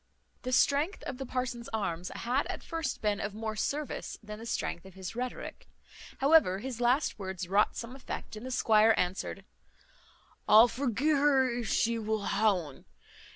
The strength of the parson's arms had at first been of more service than the strength of his rhetoric. However, his last words wrought some effect, and the squire answered, "I'll forgee her if she wull ha un.